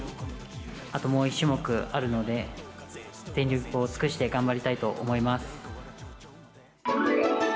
あともう１種目あるので、全力を尽くして頑張りたいと思います。